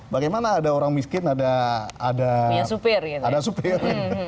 bagaimana ada orang miskin ada supir